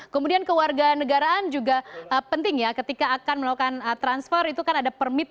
kemudian kewarganegaraan juga penting ya ketika akan melakukan transfer itu kan ada permintaan